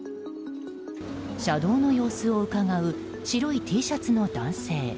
車道の様子をうかがう白いＴシャツの男性。